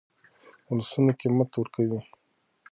ولسونه قیمت ورکوي.